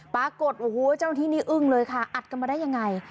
ปรากฏโอ้โหเจ้าหน้าที่นี่อึ้งเลยค่ะอัดกันมาได้ยังไง